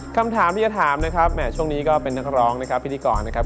คำถามที่จะถามนะครับช่วงนี้ก็เป็นนักร้องนะครับพิธีกรนะครับ